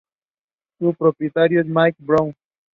It lies near the confluence of the rivers Aare and Rhine.